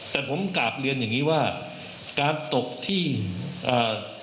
แต่ผมกลับเรียนอย่างงี้ว่าการตกที่อ่า